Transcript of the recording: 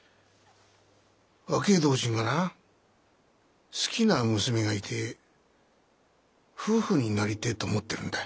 若え同心がな好きな娘がいて夫婦になりてえと思ってるんだ。